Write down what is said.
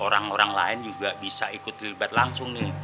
orang orang lain juga bisa ikut terlibat langsung nih